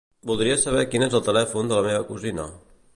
Voldria saber quin és el telèfon de la meva cosina.